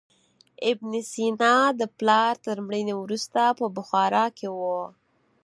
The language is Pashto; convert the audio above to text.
ابن سینا د پلار تر مړینې وروسته په بخارا کې و.